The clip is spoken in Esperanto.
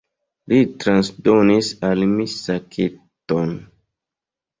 Li transdonis al mi saketon.